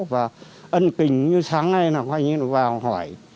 và ân kình như sáng nay nào hoài như vào hỏi